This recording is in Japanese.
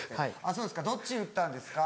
「そうですかどっち打ったんですか？」